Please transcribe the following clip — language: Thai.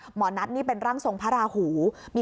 หมอนัทนี่เป็นร่างทรงพระราหู